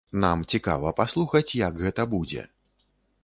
Нам цікава паслухаць, як гэта будзе.